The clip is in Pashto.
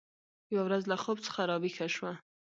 یوه ورځ له خوب څخه راویښه شوه